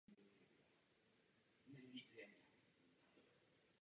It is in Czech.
Pane předsedající, gratuluji panu zpravodaji k této důležité zprávě.